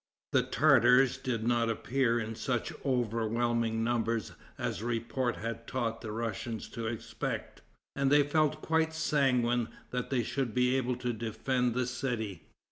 The Tartars did not appear in such overwhelming numbers as report had taught the Russians to expect, and they felt quite sanguine that they should be able to defend the city.